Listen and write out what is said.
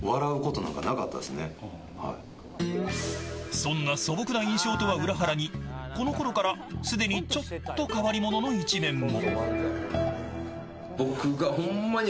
そんな素朴な印象とは裏腹にこのころからすでにちょっと変わり者の一面も。